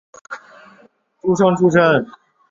诸生出身。